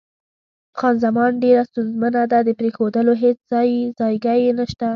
خان زمان: ډېره ستونزمنه ده، د پرېښودلو هېڅ ځای ځایګی یې نشته.